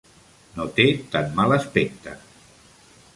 No té tan mal aspecte.